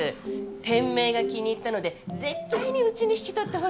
店名が気に入ったので絶対にうちに引き取ってほしいっておっしゃって。